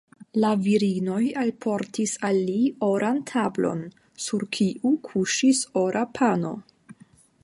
La virinoj alportis al li oran tablon, sur kiu kuŝis ora pano.